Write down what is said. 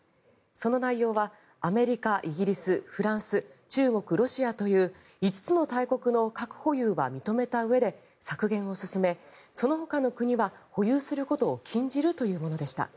その内容はアメリカ、イギリス、フランス中国、ロシアという５つの大国の核保有は認めたうえで削減を進め、そのほかの国は保有することを禁じるというものでした。